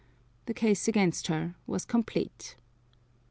The case against her was complete.